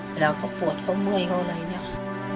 เวลาเขาปวดเขาเมื่อยเขาอะไรเนี่ย